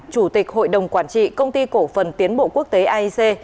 chủ tịch hội đồng quản trị công ty cổ phần tiến bộ quốc tế aic